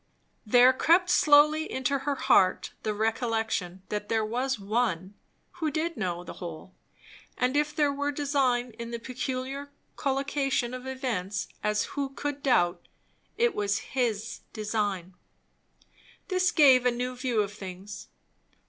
There crept slowly into her heart the recollection that there was One who did know the whole; and if there were design in the peculiar collocation of events, as who could doubt, it was His design. This gave a new view of things.